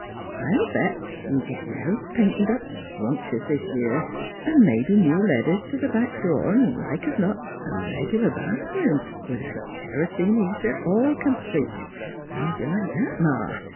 I'll bet we git th' house painted up scrumtious this year, 'n' mebbe new leaders t' th' back door 'n' like's not a reg'lar bath room, with a kur'sene heater, all io NEIGHBORS complete. How'd you like that, Ma